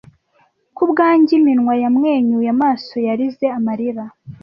Kubwanjye iminwa yamwenyuye, amaso yarize amarira,